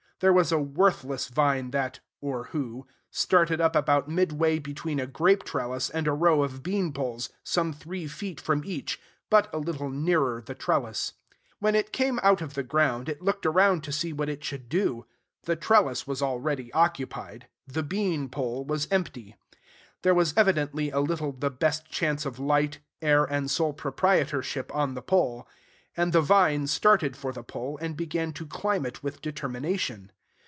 There was a worthless vine that (or who) started up about midway between a grape trellis and a row of bean poles, some three feet from each, but a little nearer the trellis. When it came out of the ground, it looked around to see what it should do. The trellis was already occupied. The bean pole was empty. There was evidently a little the best chance of light, air, and sole proprietorship on the pole. And the vine started for the pole, and began to climb it with determination.